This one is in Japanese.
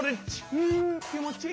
うんきもちいい！